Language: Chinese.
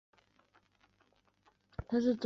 不对人员采取隔离措施